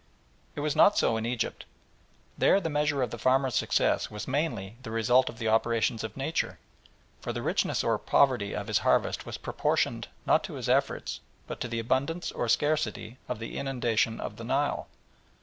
It was not so in Egypt. There the measure of the farmer's success was mainly the result of the operations of Nature, for the richness or poverty of his harvest was proportioned, not to his efforts, but to the abundance or scarcity of the inundation of the Nile.